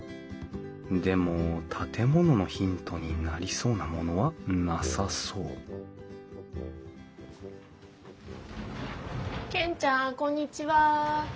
でも建物のヒントになりそうなものはなさそう健ちゃんこんにちは。